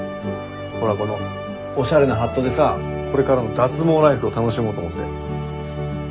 ほらこのおしゃれなハットでさこれからの脱毛ライフを楽しもうと思って。